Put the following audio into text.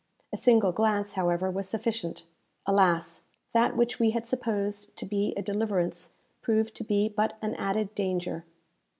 A single glance, however, was sufficient. Alas! that which we had supposed to be a deliverance, proved to be but an added danger.